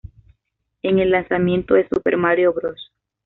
En el lanzamiento de Super Mario Bros.